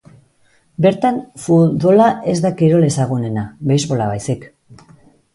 Bertan, futbola ez da kirol ezagunena, beisbola baizik.